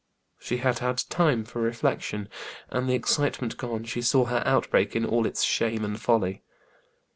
She had had time for reflection, and the excitement gone, she saw her outbreak in all its shame and folly.